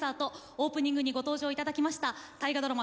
オープニングにご登場いただきました大河ドラマ